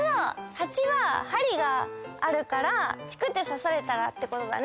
ハチはハリがあるからチクッてさされたらってことだね。